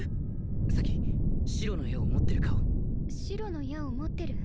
咲白の矢を持ってるかを白の矢を持ってる？